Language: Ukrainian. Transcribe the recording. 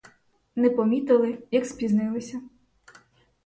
Не помітили, як спізнилися.